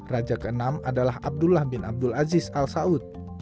raja keenam adalah abdullah bin abdul aziz al saud